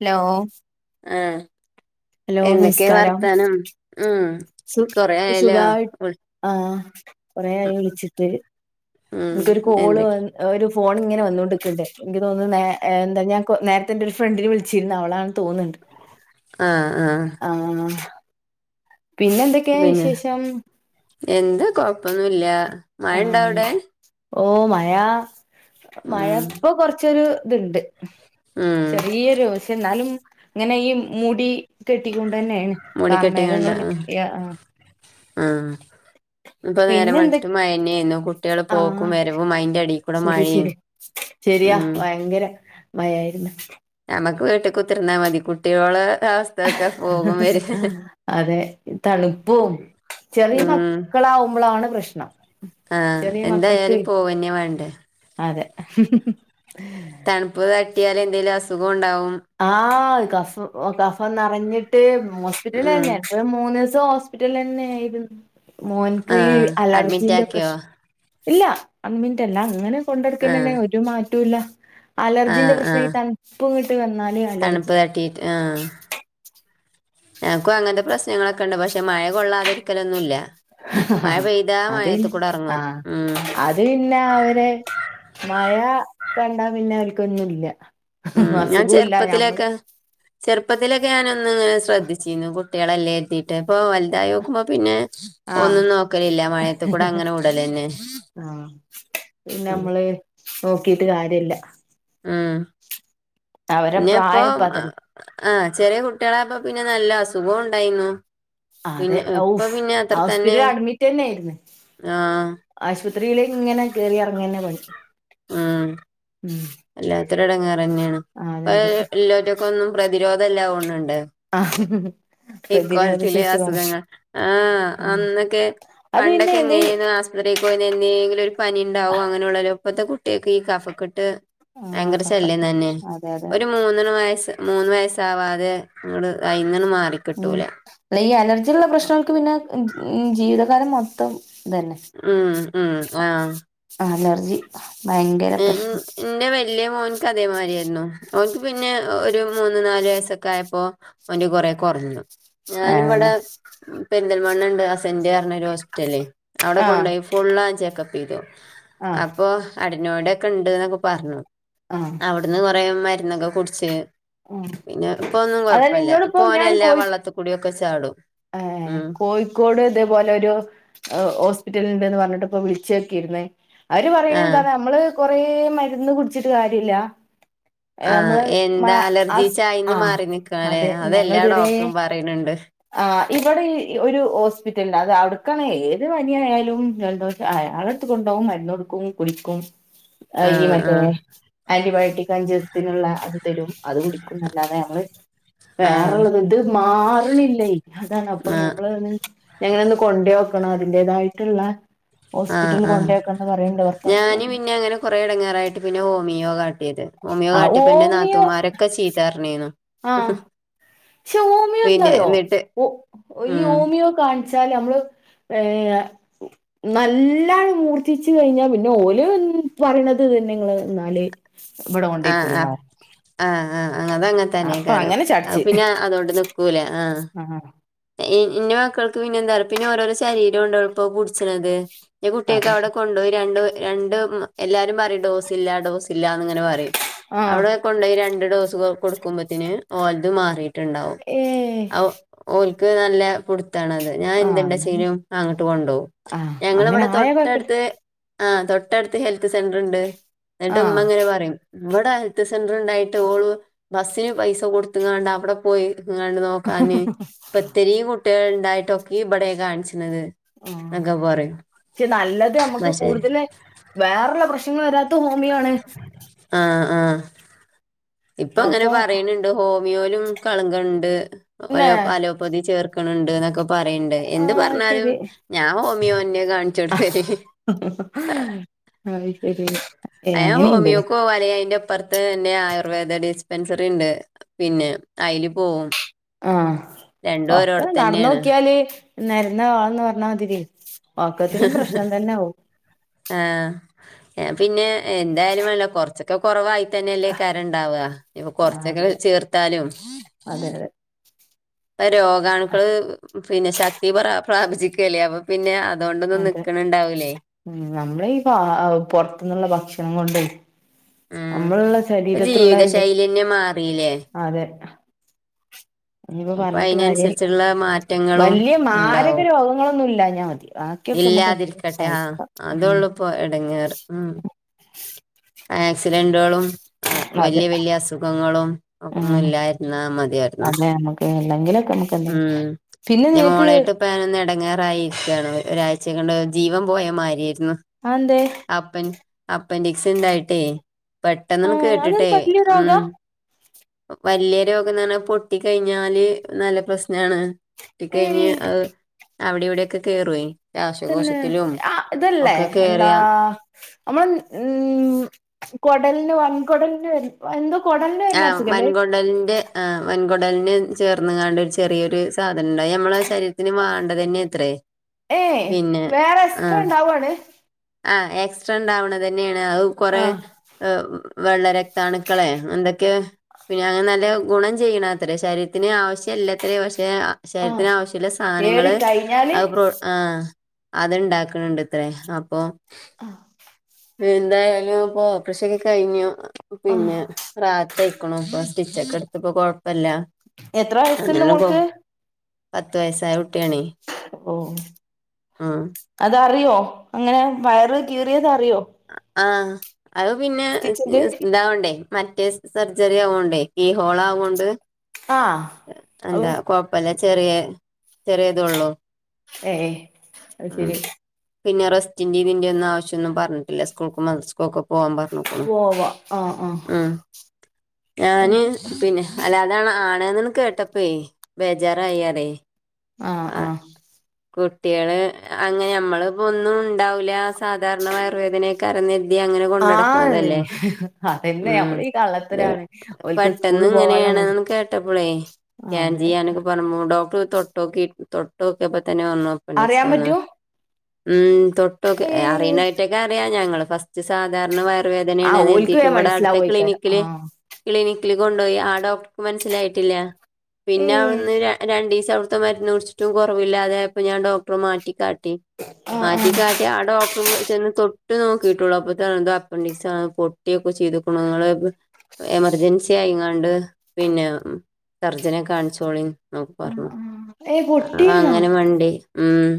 ഹലോഫ് ആഹ് എന്തെക്കെ വാർത്താനം ഉം സ് കൊറേ ആയല്ലോ സുഗായിട്ട് വിളി ആഹ് കൊറേ ആയി വിളിച്ചിട്ട് ഉം ഇത്ക്കാെരു കോള് എന്തെ വന് ഒര് ഫോൺങ്ങനെ വന്നോണ്ട്ക്ക്ണ്ട് ഇങ്ക്തോനുന്നത് നേ എന്താ ഞാൻ കൊ നേര്ത്തെ ഇന്റൊര് ഫ്രണ്ടിന് വിൾ ച്ചിന്ന് അവളാണ് തോന്ന്ണ്ട് ആഹ് ആഹ് ആഹ് പിന്നന്തൊക്കെ പിന്നെ വിശേഷം. എന്താ കൊഴപ്പൊന്നുല്ല. മഴണ്ടോ ആന്നെ അവിടെ ഓ മഴ ഉം മഴപ്പോ കൊർച്ചൊരു ഇത്ണ്ട്. ഉം ഉം ചെറിയൊരു ക്ഷം ഇന്നാലും ഇങ്ങനെ ഈ മുടി കെട്ടിക്കുണ്ടെന്നേണ് മൂടിക്കെട്ടിങ്ങാണ്ട് കാർമേഘങ്ങള് ഉം ആഹ് അഹ് ആഹ് പ്പൊ നേരം പിന്നെ എന്തൊ വെളിത്തിട്ട് മഴന്നായിരുന്നു കുട്ടികള് പോക്കും വരവും അയിന്റെ അടിയിൽ കൂടെ മഴ്യും ശെരിയാ വയങ്കര മയയായിര്ന്ന് ഞമ്മക്ക് വീട്ട്കുത്തിർന്നാ മതി കുട്ടിയോളെ ഒരഅവസ് അതെ തണുപ്പും. ചെറിയ ഉം മക്കളാവുമ്പളാണ് പ്രശ്നം. ആഹ് ചെറിയ മക്കൾക്ക് എന്തായാലും പോവന്നെ വേണ്ടേ. അതെ ഹും ഹും ഹും തണുപ്പ് തട്ടിയാല് എന്തേലും അസുഖവുണ്ടാവും. ആഹ് കഫം ഒ കഫന്നറഞ്ഞിട്ട് ഉം ഹോസ്പിറ്റലിലന്നെയാ. അങ്ങനെ മൂന്നീസം ഹോസ്പിറ്റല്ലെന്നേര്ന്നു മോൻക്ക് ആ ഈ അഡ്മിറ്റ് അലർജിന്റെ ആക്കിയോ പ്രശ് ഇല്ല അംമിൻറ്റല്ല ഇങ്ങനെ ആ കൊണ്ടട്ക്കെന്നന്നെ ഒരു മാറ്റൂല്ല ആ അലർജിന്റെ ആ പ്രശ്നം ഈ തൺപ്പ് ഇങ്ങട്ട് വന്നാല് കാ തണുപ്പ് തട്ടിയിട്ട് ആഹ് ഞങ്ങക്കും അങ്ങനത്തെ പ്രശ്നങ്ങളൊക്കെ ഉണ്ട് പക്ഷെ മഴ കൊള്ളാതിരിക്കലൊന്നുല്ല. മയ പെയ്താ അത് പിന്നെ മയത്ത്കൂടെ ആ എറങ്ങും ഉം അത് പിന്നെ അവര് മഴ കണ്ടാ പിന്നെ അവർക്കൊന്നുംല്ല. ഉം ഞാൻ അസുഖുല്ല ഞമ്മള് ചെറുപ്പത്തിലൊക്കെ ചെറുപ്പത്തിലൊക്കെ ഞാൻ ഒന്ന് ഇങ്ങനെ ശ്രദ്ധിച്ചീന്നു കുട്ട്യാളല്ലെ എത്തീട്ട് അപ്പൊ വലുതായോക്കുമ്പോ പിന്നെ ആഹ് ഒന്നും നോക്കലില്ല മയത്ത്ക്കൂടെ അങ്ങനെ വിടലെന്നേ ആഹ് പിന്നെ അമ്മള് നോക്കീട്ട് കാര്യല്ല ഉം അവരെ പിന്നെപ്പൊ. പ്രായപ്പ അതല്ലേ ആഹ് ചെറിയ കുട്ട്യാളായപ്പം പിന്നെ നല്ല അസുഖോം ഉണ്ടായിന്നു. അതെ. ഔഫ് തന്നെ ഹോസ്പിറ്റല അഡ്മിറ്റെന്നേര്ന്ന്. ആ ആശുപത്രിയില് ങ്ങനെ കേറി എർങ്ങനെ പണി. ആഹ് ഉം. വല്ലാത്തൊരു എടങ്ങേറ് തന്നേണ് അതെ അതെ ഇപ്പം [unintelligible] പ്രതിരോധം ഇല്ലാവണിണ്ട്. [unintelligible] പ്രതിരോധ ഇക്കോൽത്തിൽ ശേഷി കൊറ അസുഖങ്ങൾ ആ ഉം അന്നൊക്കെ അത് പിന്നെ പണ്ടൊക്കെ എന്ത എങ്ങനേന്നു അസു. [unintelligible] എന്തെങ്കിലും ഒരു പനിണ്ടാവോ അങ്ങനെയുള്ള ഇപ്പത്തെ കുട്ടിയൊക്കെ ഈ കഫക്കെട്ട് ആഹ് ഭയങ്കര ശല്യം കഫത്തിന്റെ തന്നെ പ്രശ്നം അതെ അതെ ഒരു മൂന്നര വയസ്സ് മൂന്ന് വയസാവാതെ ഇങ്ങള് ഐന്നൊന്ന് മാറി ഉം അല്ല ഈ അലർജിള്ള പ്രശ്നങ്ങൾക്ക് പിന്നെ മ് ജീവിതകാലം മൊത്തം ഇതന്നെ. ഉം ഉം ആഹ് അലർജി ഭയങ്കര പ്രശ്നം വെല്ല്യ മോൻക്ക് അതേമായിരേര്ന്നു ഓൻക്ക് പിന്നെ ഒരു മൂന്ന് നാല് വയസ്സൊക്കെ ആയപ്പോ ഓന്റ് കൊറെ കൊർഞ്ഞു. ഞാന് അതന്നെ ഇവിടെ പെര്ന്തൽമണ്ണണ്ട് അസ്. [unintelligible] ർനൊരു ഹോസ്പിറ്റല് അവിടെ ആഹ് കൊണ്ടോയ് ഫുള്ളാ ചെക്കപ്പ് ചെയ്തു ആഹ് അപ്പോ ന്നോടൊക്കെ ഇണ്ട് എന്നൊക്കെ പറഞ്ഞു. ആഹ്. അവിട്ന്ന് കൊറേ മരുന്നൊക്കെ കുടിച്ച്. ആഹ് പിന്നെ പ്പ ന്നും അതാ കൊഴപ്പില്ല നിന്നോടിപ്പം ഇപോനെ ഞാൻ ല്ലാ കോഴി വെള്ളത്തിക്കൂടിയൊക്കെ ചാടും ഏഹ് ഉം കോയ്. ക്കോട് ഇതേപോലെ ഒരു ഓ ഓസ്പിറ്റല്ണ്ട്ന്ന് പർഞ്ഞ്ട്ട് ഇപ്പൊ വിളിച്ചേക്കീര്ന്ന് അവര് പറയ്ണ് ആ എന്താന്നാ ഇമ്മള് കൊറേ മര്ന്ന് കുട്ച്ചിട്ട് കാര്യല്ല ആഹ് നമ്മള് മ എന്താ അലർജി അസ് ചായിന്ന് ആഹ് മാറി നിക്കാല്ലേ അതെ അതെല്ലാ ഞങ്ങളിതുവരെ ഡോക്ടറും പറയണെണ്ട്. ആഹ് ഇവടെ ഈ ഒരു ഹോസ്പിറ്റൽലാ അത് അവ്ട്ക്കാണ് ഏത് പനായാലും രണ്ടോ അ അയാളട്‌ത്ത് കൊണ്ടോകും മരുന്നൊടുക്കും കുടിക്കും. ആ അയ്യ് ആ മറ്റേ ആന്റിബയോട്ടിക് അഞ്ചീസ്ത്ത്ന്ള്ള അത് തലും. അത് കുടിക്കുംന്നല്ലാതെ അമ്മള് ആ വേറള്ളത് ത് മാറ്ണി പിന്നെ അതാണ് അപ്പൊ ആഹ് ഞമ്മൾ ഒന്ന് എങ്ങന ഒന്ന് കൊണ്ടയോക്കണം അതിന്റേതായിട്ടുള്ള. ആഹ് ഹോസ്പിറ്റലിൽ ആഹ് കൊണ്ടേക്കണംന്ന് പറയ്ണ്ട് ഭർത്താവ് ഞാന് പറ്ഞ്ഞു പിന്നെ അങ്ങനെ കൊറേ എടങ്ങേറായിട്ട് പിന്നെ ഹോമിയോ കാട്ടീത് ഹോമിയോ ആ കാട്ടിയപ്പോ ഇന്റെ ഓമിയോ നാത്തൂമാരൊക്കെ ചീത്ത പർഞ്ഞീനു. ക്ഷൊ ഓമിയൊ പിന്നെ ന്താറിയോ. എന്നിട്ട് ഒ ഉം ഇയ്യോമിയോ കാണിച്ചാല് നമ്മള് ഏഹ് നല്ല ണ് മൂർത്തിച്ചു കഴിഞ്ഞാ പിന്നെ ഓല്‌ പറിണത് ഇതന്നെ ങ്ങള് ന്നാല്. ആഹ് അഹ് ആഹ് ആഹ് ആഹ് അതങ്ങൻതന്നേ അപ്പൊ മിക്കാറും അങ്ങനെ അത് ചാടിച്ച് പിന്നെ അതോണ്ട് നി കൂലെ ആഹ് ആഹ്. ഇ ഇന്റെ മക്കൾക്ക് പിന്നന്താ റിയോ പിന്നെ ഓരോരോ ശരീരോണ്ട് എൾപ്പം കുടിച്ചിണത്. ഞ്ഞ് കുട്ട്യാക്ക് അതെ അവിടെ കൊണ്ടോയ് രണ്ട് രണ്ട് മ് എല്ലാരും പറയും ഡോസ് ഇല്ല ഡോസ് ഇല്ലന്ന് ഇങ്ങനെ പറയും ആഹ് അവിടെ കൊണ്ടോയി രണ്ട് ഡോസ് കൊ കൊടുക്കുമ്പോത്തിന് ഓലത് മാറീട്ടിണ്ടാവും ഏഹ് ഔ ഓൽക്ക് നല്ല പുട്. ത്താണത് ഞാൻ ആഹ് എന്ത്ണ്ടാ എന്നാ പിന്നെ ച്ചേനും അങ്ങട്ട് കൊണ്ടോകും ആഹ് അങ്ങനെ ഞങ്ങളവിടെ ആയാ കൊഴപ്പല്ല തൊട്ടടുത്ത്. ആഹ് തൊട്ടട്ത്ത് ഹെൽത്ത് സെന്ററ് ഇണ്ട് ഇന്ന്ട്ട് ആഹ് ഇമ്മങ്ങനെ പറിം ഇവടെ ത്ത് സെന്റർണ്ടായിട്ട് ഓള് ബസ്സിന് പൈസ കൊടുത്ങ്ങാണ്ട് അവിടെ പോയി ങ്ങാണ്ട് നോക്കാന് ഇപ്പ ഇത്തിരിയും കുട്ടികൾ ഇണ്ടായിട്ടൊക്കെ ഈ ഇബെടെ കാണിച്ണത്. ആഹ്. ക്ഷെ നല്ലത് നമ്മുക്ക് പക്ഷെ കൂടുതൽ വേറെള്ള പ്രശ്നങ്ങള് വെരാത്ത് ഹോമിയാേണ് ആഹ് ആഹ് ഇപ്പ അങ്ങനെ അപ്പൊ പറയണെണ്ട് ഹോമിയോയിലും കളങ്കെണ്ട് അല്ലെ അലോ അലോപ പ്പൊ തീ ചേർക്ക്ണ് ണ്ട്ന്നൊക്കെ പറയ്ണ്ട്. എന്ത് ആഹ് പറ്ഞ്ഞാലും ശരി ഞാ ഹോമിയോന്നെ കാൺ [unintelligible] അത് ശരി ഏ ഹേ അങ്ങനെയുണ്ടല്ലേ ഹോമിയോക്കവാല അയിന്റെ ഇപ്പറത്ത് എന്നെ ആയുർവേദ ഡിസ്പെൻസറിണ്ട് പിന്നെ ഐല് പോവും ആഹ് രണ്ടും ഒക്കെ ഓരോടത്ത് തന്നെയാണ് നടന്നോക്കിയാല് നെരന്ന ആൾന്ന് പർണ മതിരി ആ ആഹ് എഹ് പിന്നെ എന്തായാലും വേണ്ടീല കൊർച്ച ക്കെ കൊറവായി തന്നെല്ലേക്കാരം ണ്ടാവ്വാ. ഇപ്പൊ ആഹ് കൊർച്ചൊക്കെ അതെ ചേർത്താലും അതെ അതെ പ്പം രോഗാണുക്കള് പിന്നെ ശക്തി പ്രാ പ്രാപിച്ചിക്കല്ലേ അപ്പം പിന്നെ അതോണ്ടൊന്നും നിക്ക്ണ് ഇണ്ടാവൂലേ മ്. നമ്മള് ഈ ഫാ അ പൊർത്ത്ന്ന്ള്ള ഭക്ഷണം കൊണ്ട് ഉം അമ്മള് ള്ള ഇപ്പൊ ശരീരത്തിലുള്ള ജീവിത എന്തെ ശൈലി തന്നെ മാറിയില്ലേ അതെ ഇനിപ്പോ അപ്പൊ പറഞ്ഞിട്ട് കാര്യല്ല്യ. അതിനനുസരിച്ചുള്ള മാറ്റങ്ങളും വല്ല്യ മാരക ഉണ്ടാവും രോഗങ്ങളൊന്നും ഇല്ലാഞ്ഞാൽ മതി ബാ ക്ക്യോക്കെ ഞമ്മക്ക് ഇല്ലാതിരിക്കട്ടെ ആ സയ്ക്കാ ഏ അതുള്ളൂ ഇപ്പൊ ഇടങ്ങേറ് ഉം ആക്സിഡന്റുകളും ആഹ് വല്ല്യ വല്ല്യ അസുഖങ്ങളും ഒക്കെ ഒന്നും ഉമ് ഇല്ലായിരുന്നാ മതിയായിരുന്നു അതെ നമ്മക്ക് അല്ലെങ്കിലൊക്കെ നമുക്കെന്തെ പിന്നെ നിനക്ക് പ്പാഞാനൊന്നയെടങ്ങേറായിരിക്കാണ് ഒരാഴ്ചക്കൊണ്ട് ജീവൻ പോയ മാരേര്ന്ന്. അതെന്തേ അപ്പൻ അപ്പൻഡിക്സ് ഉണ്ടായിട്ടേ പെട്ടെന്നെണ്ട് ഏഹ് അതൊരു കേട്ട്ട്ടെ വല്യ ഉം രോഗാ വല്യ രോഗംന്ന് പറഞ്ഞാ പൊട്ടി കയ്ഞ്ഞാല് നല്ല പ്രശ്നം ആണ് കെട്ടി കഴിഞ്ഞ് ഏയ് അവ് അവ്ടിംവ്ടൊക്കെ കേറൊയ്. പിന്നെ ആഹ് ഇതല്ലേ എന്താ? കേറിയ ഞമ്മള് മ് കൊടലിന് വൻകൊടലിന് വെരുന് - എന്തോ കൊടലിന് വെര്ണ അസുഖല്ലത് ടൽന്റെ ആ വൻകൊടലിന് ചേർന്ന് ങ്ങാണ്ടൊരു ചെ ചെറിയൊരു സാധനംണ്ട് അത് ഞമ്മ്ടെ ശരീരത്തിന് വേണ്ട തെന്നെ ത്രെ. ഏയ് പിന്നെ വേറെ ആ [unintelligible] ആഹ് എക്സ്ട്രണ്ടാവണ തന്നെയാണ് അത് കൊറെ ആഹ് ഏഹ് വളരെ തഅണുക്കളെ എന്തൊക്കെ പിന്നെ അങ്ങനെ നല്ല ഗുണം ചെയ്യ്ണാത്രേ ശരീരത്തിന് ആവശ്യെല്ലാത്രെ പക്ഷേ ആഹ് ശരീരത്തിന് ആവശ്യള്ള ഏറി സാധനങ്ങള് കഴിഞ്ഞാല് അത് പ്ര ആഹ് അത്ണ്ടാക്കണുണ്ട്ത്രേ അപ്പോ ആഹ്‌ എന്തായാലും പ്പൊ ഓപ്പറേഷൊകെ കഴിഞ്ഞു ആഹ് പിന്നെ രാത്രിയായേക്കുണു ഇപ്പോ സ്റ്റിച്ചൊക്കെ എടുത്തിപ്പോ കൊഴപ്പില്ല എത്ര വയസ്സുണ്ട് അങ്ങനെ മോൾക്ക് പോന്നു പത്ത് വയസായ കുട്ടിയാണേ ഓഹ് ഉം അതറിയോ അങ്ങനെ വയറ് കീറിയത് അറിയോ ആഹ് അത് പിന്നെ സ്റ്റിച്ചിന്റെ ഇസ് ഇതാവ്ണ്ടേ മറ്റേ സർജറി ആവോണ്ടേ ഈ ഹോളാവോണ്ട് ആ എന്താ കൊഴപ്പില്ല ചെറിയ ചെറിയതേള്ളു ഏയ് അത് ഉം ശരി പിന്നെ റസ്റ്റിന്റെ ഇതിന്റെ ഒന്നും ആവശ്യന്നും പറഞ്ഞിട്ടില്ല സ്കൂൾക്ക് [unintelligible] പോവാം പർഞ്ഞ്ക്ണു പോവാ ആഹ് ആഹ് ഉം അത് ഞാന് ശരി. പിന്നെ അല്ലാതാണ് ആണ്ന്ന്ണ് കേട്ടപ്പേ ബേജാറയാണേ ആഹ് കുട്ട്യാള് അങ്ങനെ മ്മളീപ്പൊ ഒന്നും ഉണ്ടാവൂല സാധാരണ വയർവേദനയ്കാരംന്ന് കര്തി അങ്ങനെ ആഹ് നിൻ കൊണ്ടട്ക്ക്ന്ണതല്ലേ അതന്നെ ഉമ് നമ്മള് ഈ അതെ. കള്ളത്തരാണ് ഓൽക്ക് പെട്ടെന്ന് സ്കൂള് പോവാള്ള മടി ഇങ്ങനെയാണ്ന്ന് കേട്ടപ്പളേ ആഹ് സ്കാൻ അതെ ചെയ്യാനൊക്കെ പറിമ്പോ ഡോക്ടർ തൊട്ടോകീട്ട് തൊട്ട് ട്ടു നോക്കിയപ്പോ തന്നെ പറഞ്ഞു അപ്പൻഡിക്സ്‌ അറിയാൻ ആന്ന് പറ്റോ ഉം തൊട്ട് നോക്കി ഏയ് അറിയണായിട്ടേ റിയ ഞങ്ങള് ഫസ്റ്റ് സാധാരണ വയറുവേദന ണ് ആഹ് ഓൽക്ക് കറുത്തിട്ട് വേം ഇവ്ടെ അടുത്തെ മനസ്സിലാവോയ്ക്കാരം ക്ലിനിക്കില്. ആഹ് ക്ലിനിക്കില് കൊണ്ടോയി ആ ഡോക്ടർക്ക് മനസ്സ്ലായിട്ടില്ല. പിന്നെ ഏയ് അവിടുന്ന് രണ്ടീസം അവിടുത്തെ മരുന്ന് കുടിച്ചിട്ടും കുറവില്ലാതായപ്പോ ഞാൻ ഡോക്ടറെ മാറ്റിക്കാട്ടി ആഹ് ആഹ് മാറ്റിക്കാട്ട് ആ ഡോക്ടർ ചെന്ന് തൊട്ട് നോക്കിട്ടൊള്ളു അപ്പൊത് അപ്പൻഡീസാണ് പൊട്ടൊക്കെ ചെയ്ത്ക്ണ് ഇങ്ങള് എമർജൻസി ആയിങ്ങാണ്ട് പിന്നെ സർജനെ കാൺച്ചോളി നൊക്കെ പർഞ്ഞു ആഹ് ആഹ് ഏയ് പൊട്ടിയിരുന്നോ അങ്ങനെ വണ്ടി ഉം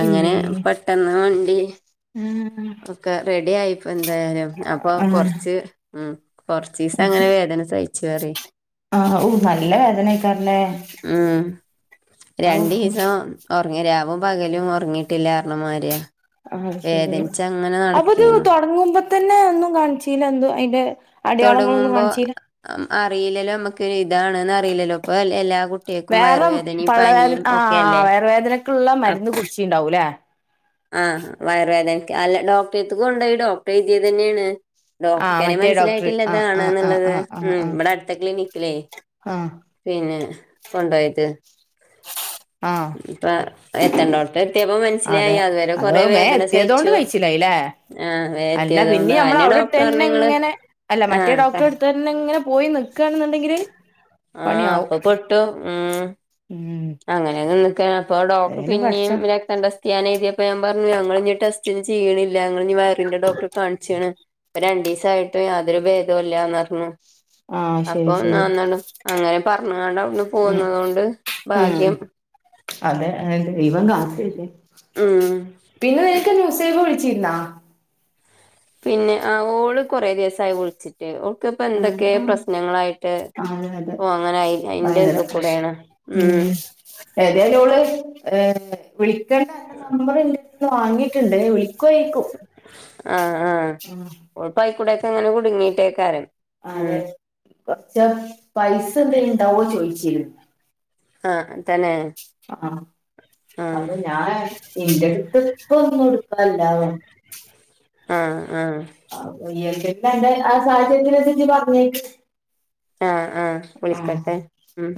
അങ്ങനെ ഇമ്മേ പട് എന്നാ വണ്ടി [unintelligible] ക്കെ റെഡി ആയിപ്പോ എന്തായാലും അപ്പൊ ആഹ് കൊർച്ച് ഉം കൊർച്ചീസങ്ങനെ വേദന സഹിച്ച്അറ്യ ആ ഉ നല്ല വേദനായി ഉം ഔ രണ്ടിസം ഉറങ്ങി രാവും പകലും ഉറങ്ങിയിട്ടില്ലാരണം മാര്യാ ആഹ് ശരി അപ്പൊ ഇത് നടക്കേന്നു തൊട്ങ്ങുമ്പോ തന്നെ ഒന്നും കാണ്ച്ചീലെ എന്തോ അയ്ന്റെ? തൊട്ങ്ങുമ്പോ അ അറീലല്ലോമ്മക്ക് ഇതാണ്ന്ന് അ അറിയില്ലല്ലോ ഇപ്പൊ എല്ലാ കുട്ടികൾക്കും വേറെ വയറുവേദനയും പനിയും ഒക്കെല്ലേ ക്ക്‌ള്ള മരുന്ന് കുടിച്ചീണ്ടാവുലേ? ആഹ് വയർവേദനക് അല്ല ഡോക്ടത്ത്ക്കൊണ്ടേയ് ഡോക്ടറെയ്തീതെന്നേണ്. ആ മറ്റേ ഡോക്ടർ ആ ആ ആ ഡോക്ട്കെനെമസ്സിലായിട്ടില്ലതാണ്ന്ന്ള്ളത് ആ ആ ഉം ആ ഇബടെട് ത്തെ ക്ലിനിക്കിലേ ആ പിന്നെ കൊണ്ടോയത് ആഹ് ഇപ്പ എത്തണ്ടോട്ത്ത് എത്തിയപ്പോ അതെ മൻസ്സ്ലായി അതുവരെ അത് കൊറെ മേ വേദന എത്തിയതുകൊണ്ട് സഹിച്ചു. കഴിച്ചില്ലായില്ലേ ആഹ് അല്ല പിന്നെ വേംയെത്തീതോണ്ട് നമ്മൾ അനെ അവിടെ ഇട്ട് ഡോക്ടർ തന്നെ പറഞ്ഞ്ങ്ങള് ആഹ് ഇന്നങ്ങനെ പോയി നിക്കാണ്ന്ന്ണ്ടെങ്കില് ആഹ് അപ്പൊ പൊട്ടും ഉമ്. ഉം അങ്ങനെയൊന്നും നിക്ക അപ്പൊ ഡോക്ടർ ഏതായാലും പിന്നിം പഠിച്ചോ രക്ത് കണ്ട സ്കാൻ [unintelligible] ഞങ്ങളിഞ്ഞി ടെസ്റ്റിന് ചെയ്യ്ണില്ല ഞങ്ങളിഞ്ഞി വയറിന്റെ ഡോക്ടറെ കാണിച്ചാണ്. ഇപ്പം രണ്ടുസായിട്ടും യാതൊരു ഭേദവുല്ലന്നറഞ്ഞു ആ അപ്പൊ ശരി ശരി നന്നളും അങ്ങനെപറഞ്ഞ്കാണ്ട് അവ്ട്ന്ന് ഉം പോന്നതോണ്ട് ഉം ഭാഗ്യം. അതെ ഏഹ് ദൈവം ഉം [unintelligible] പിന്നെ നിനക്ക് നുസൈബ വിളിച്ചീര്ന്നാ? പിന്നെ ആ ഓള് കൊറേ ദിവസായി വിളിച്ചിട് ഓൾക്ക് ഇപ്പ എന്തൊക്കെ ആഹ് പ്രശ്നങ്ങളായിട്ട് അതെ അതെ പോ അങ്ങനെ അതിന്റെ ഭയങ്കര ഇതി പ്രശ്നം കൂടെയാണ്. ഉം ഏതേലോള് ഏഹ് വിളിക്കണ്ടഅന്റെ നമ്പർ ഇന്റെട്ത്ത്ന്ന് വാങ്ങീട്ട്ണ്ട് വി ആഹ് ആഹ് ആഹ് ഓൾ അയ്ക്കൂടൊക്കെ ഇങ്ങനെ കുടുങ്ങീട്ടെയ്കാരം. അതെ കൊറച്ച് പൈസ എന്തേലു ഉണ്ടാവോ ചോയിച്ചു. ആഹ് തന്നെ ആഹ് ആഹ് അപ്പൊ ഞാൻ എന്റെ അടുത്ത് ഇപ്പോ ഒന്നും എടുക്കാനില്ല വ ആ ആ [unintelligible] ആ സാഹചര്യത്തിനൻസര്ച്ച് പർഞ്ഞ്. ആഹ് ആഹ് വിളിക്കട്ടെ ഉം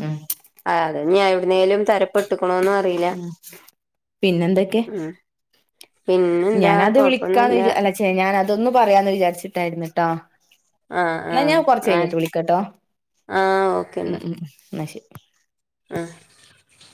ആഹ് ആത് ഞ് എവിട്ന്നേലും തര പെട്ട്ക്ക്ണോ ന്നും അറീല. ഉം പിന്നെന്തൊക്കെ പിന്നെന്താ കൊഴ്പ്പൊന്നുല്ല്യ. ശെ ഞാനതൊന്ന് പറയാന്ന് വിചാരിച്ചിട്ടായിരുന്നു ട്ടോ ആഹ് എന്നാ ആഹ് ഞാൻ കൊറച്ച് ആഹ് കഴിഞ്ഞിട്ട് വിളിക്കട്ടോ ആഹ് ഉം ഉം എന്ന ശരി ആ